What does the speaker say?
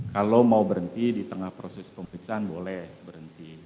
kalau mau berhenti di tengah proses pemeriksaan boleh berhenti